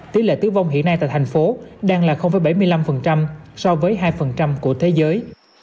tỷ lệ tử vong hiện nay tại thành phố đang là bảy mươi năm so với hai của thế giới